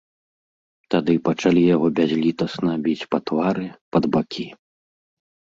Тады пачалі яго бязлітасна біць па твары, пад бакі.